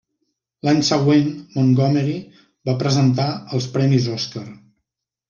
L'any següent, Montgomery va presentar els Premis Oscar.